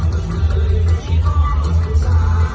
อ้าวสิ่งที่สุดท้ายที่สุดท้าย